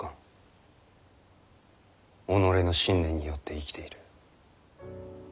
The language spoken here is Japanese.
己の信念によって生きている。